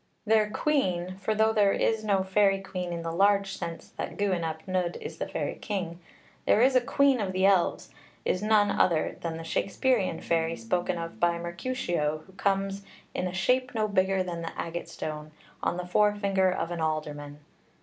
Their queen for though there is no fairy queen in the large sense that Gwyn ap Nudd is the fairy king, there is a queen of the elves is none other than the Shakspearean fairy spoken of by Mercutio, who comes In shape no bigger than an agate stone On the forefinger of an alderman.